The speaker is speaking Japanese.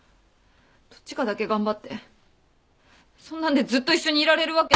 どっちかだけ頑張ってそんなんでずっと一緒にいられるわけない。